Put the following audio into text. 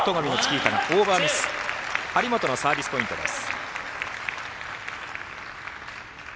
張本のサービスポイントです。